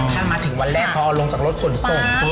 ถ้ามาถึงวันแรกเขาเอาลงจากรถส่วนส่ง